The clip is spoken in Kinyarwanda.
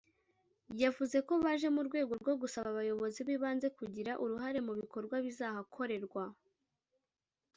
yavuze ko baje mu rwego rwo gusaba abayobozi b’ibanze kugira uruhare mu bikorwa bizahakorerwa